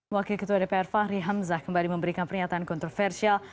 wakil ketua dpr fahri hamzah kembali memberikan pernyataan kontroversial